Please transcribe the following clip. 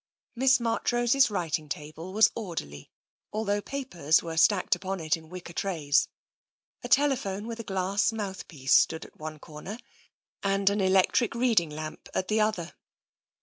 Miss Marchrose's writing table was orderly, al though papers were stacked upon it in wicker trays. A telephone with a glass mouthpiece stood at one corner and an electric reading lamp at the other.